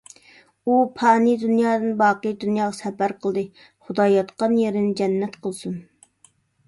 ئۇ پانىي دۇنيادىن باقىي دۇنياغا سەپەر قىلدى. خۇدا ياتقان يېرىنى جەننەت قىلسۇن.